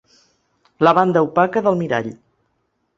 La banda opaca del mirall.